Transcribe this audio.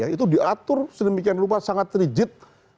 itu diatur sedemikian rupa sangat rigid